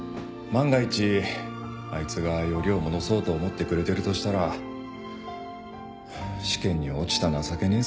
万が一あいつがよりを戻そうと思ってくれてるとしたら試験に落ちた情けねえ